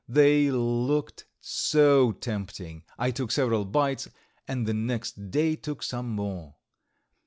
They looked so tempting I took several bites, and the next day took some more.